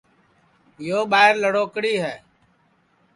یو ٻائیر لڑوکڑی ہے